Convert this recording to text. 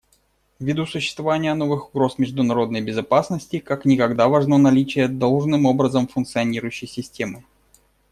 Ввиду существования новых угроз международной безопасности как никогда важно наличие должным образом функционирующей системы.